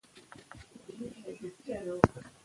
هغه مهال چې تاریخ ولوستل شي، تېروتنې به بیا ونه شي.